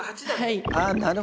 はい。